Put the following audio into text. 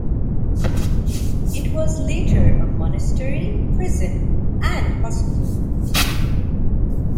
It was later a monastery, prison and hospital.